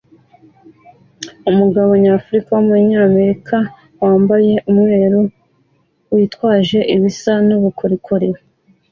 Umugabo nyafrica wumunyamerika wambaye umweru witwaje ibisa nkubukorikori